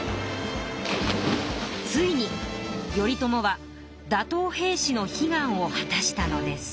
ついに頼朝は打とう平氏の悲願を果たしたのです。